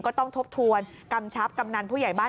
ทบทวนกำชับกำนันผู้ใหญ่บ้าน